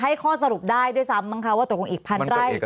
ให้ข้อสรุปได้ด้วยซ้ำบ้างค่ะว่าตกลงอีกพันรายมันก็